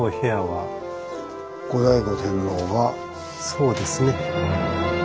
そうですね。